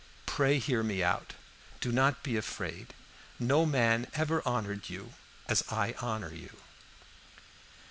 Pray hear me out, do not be afraid; no man ever honored you as I honor you."